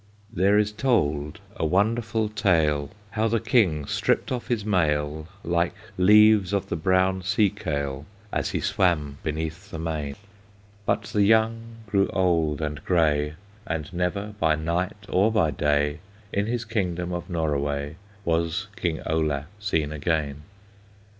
There is told a wonderful tale, How the King stripped off his mail, Like leaves of the brown sea kale, As he swam beneath the main; But the young grew old and gray, And never, by night or by day, In his kingdom of Norroway Was King Olaf seen again!